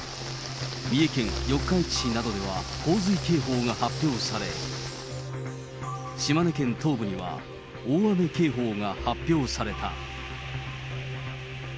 三重県四日市市などでは洪水警報が発表され、島根県東部には大雨警報が発表された。